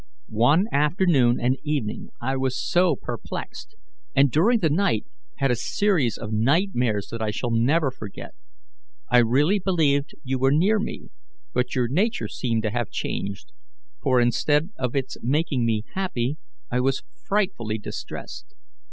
One afternoon and evening I was so perplexed, and during the night had a series of nightmares that I shall never forget. I really believed you were near me, but your nature seemed to have changed, for, instead of its making me happy, I was frightfully distressed.